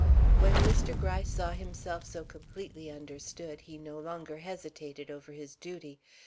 When Mr. Gryce saw himself so completely understood, he no longer hesitated over his duty.